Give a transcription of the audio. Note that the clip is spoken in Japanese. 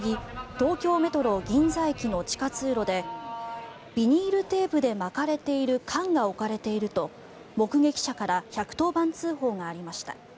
東京メトロ銀座駅の地下通路でビニールテープで巻かれている缶が置かれていると目撃者から１１０番通報がありました。